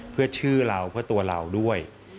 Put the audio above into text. เพื่อชื่อเราเพื่อตัวเราด้วย